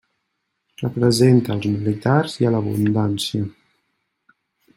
Representa als militars i a l'abundància.